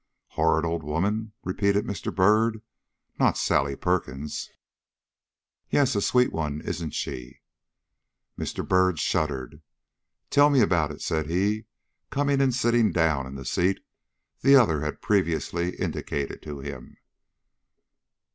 "Horrid old woman!" repeated Mr. Byrd. "Not Sally Perkins?" "Yes. A sweet one, isn't she?" Mr. Byrd shuddered. "Tell me about it," said he, coming and sitting down in the seat the other had previously indicated to him.